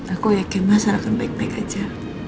aku yakin masalah akan baik baik aja